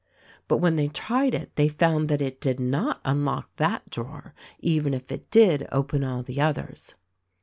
But when they tried it they found that it did not unlock that drawer, even if it did open all the others.